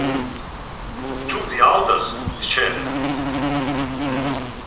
Ĉu vi aŭdas, Scherer?